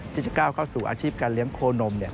ที่จะก้าวเข้าสู่อาชีพการเลี้ยงโคนม